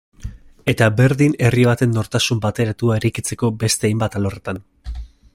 Eta berdin herri baten nortasun bateratua eraikitzeko beste hainbat alorretan.